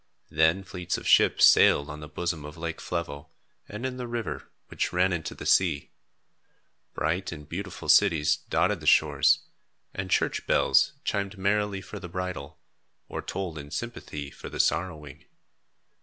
Then fleets of ships sailed on the bosom of Lake Flevo, and in the river which ran into the sea. Bright and beautiful cities dotted the shores, and church bells chimed merrily for the bridal, or tolled in sympathy for the sorrowing.